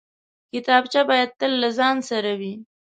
کتابچه باید تل له ځان سره وي